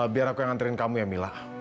biar aku yang nganterin kamu ya mila